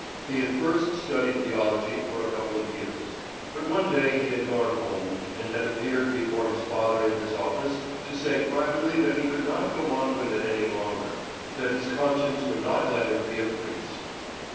He had first studied theology for a couple of years; but one day he had gone home and had appeared before his father in his office to say privately that he could not go on with it any longer, that his conscience would not let him be a priest.